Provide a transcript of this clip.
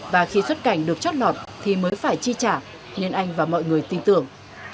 và khi xuất cảnh được chót lọt thì mới phải chi trả nên anh và mọi người tin tưởng